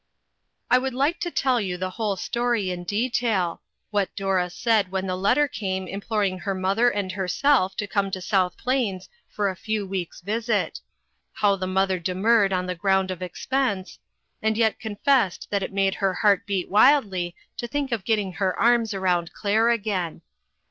I would like to tell you the whole story in detail : what Dora said when the letter came imploring her mother and herself to come to South Plains for a few weeks' visit ; how the mother demurred on the ground of expense, and yet confessed that it made her heart beat wildly to think of get ting her arms around Claire again.